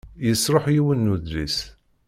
Yesṛuḥ yiwen n udlis.